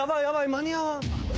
間に合わん。